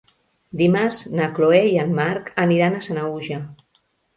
Dimarts na Chloé i en Marc aniran a Sanaüja.